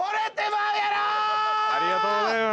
ありがとうございます。